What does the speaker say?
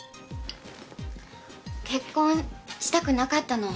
結婚したくなかったの。